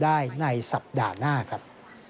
ได้ในสัปดาห์หน้าครับ